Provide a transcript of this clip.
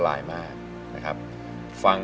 รู้จักค่ะ